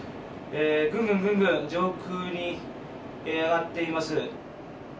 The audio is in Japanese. ぐんぐん上空に上がっています。